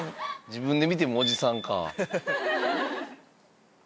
自分で見てもおじさんか。